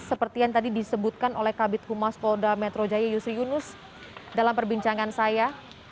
seperti yang tadi disebutkan oleh kabit humas polda metro jaya yusri yunus dalam perbincangan saya